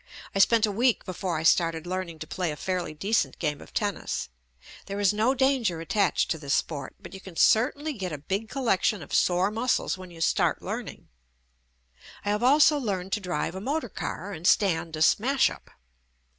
I spent a week before I started learning to play a fairly decent game of tennis. There is no danger attached to this sport, but you can cer JUST ME tainly get a big collection of sore muscles when you start learning. I have also learned to drive a motor car and stand a smashup.